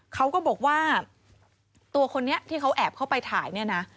เขาก็บอกว่าตัวคนนี้ที่เขาแอบเข้าไปถ่ายเนี่ยนะ